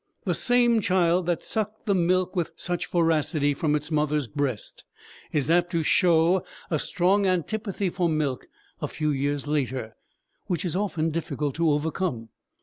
The same child that sucked the milk with such voracity from its mother's breast is apt to show a strong antipathy for milk a few years later, which is often difficult to overcome.